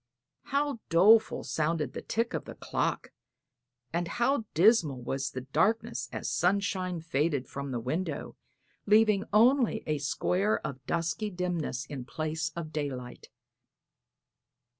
How doleful sounded the tick of the clock, and how dismal was the darkness as sunshine faded from the window, leaving only a square of dusky dimness in place of daylight!